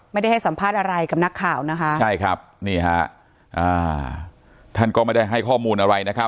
ไม่ได้ให้สัมภาษณ์อะไรกับนักข่าวท่านก็ไม่ได้ให้ข้อมูลอะไร